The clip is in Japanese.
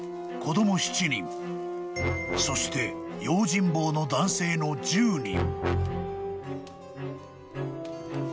［そして用心棒の男性の１０人］